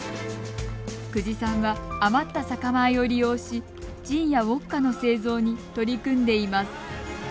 久慈さんは余った酒米を利用しジンやウオツカの製造に取り組んでいます。